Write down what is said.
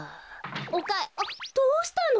おかあっどうしたの？